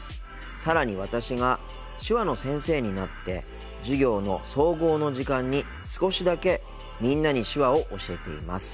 さらに私が手話の先生になって授業の総合の時間に少しだけみんなに手話を教えています。